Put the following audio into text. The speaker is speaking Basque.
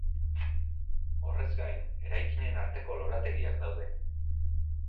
Horrez gain, eraikinen arteko lorategiak daude.